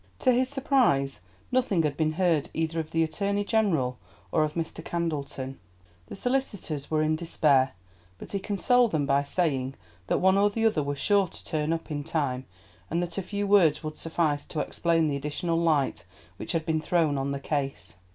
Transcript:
To his surprise nothing had been heard either of the Attorney General or of Mr. Candleton. The solicitors were in despair; but he consoled them by saying that one or the other was sure to turn up in time, and that a few words would suffice to explain the additional light which had been thrown on the case.